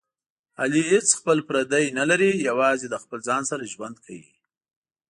علي هېڅ خپل پردی نه لري، یوازې له خپل ځان سره ژوند کوي.